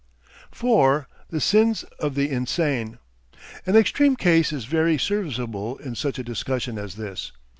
4. THE SINS OF THE INSANE An extreme case is very serviceable in such a discussion as this.